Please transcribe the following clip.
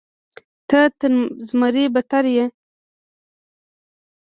ته تر زمري بدتر یې.